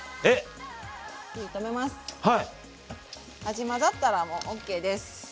味混ざったらもうＯＫです。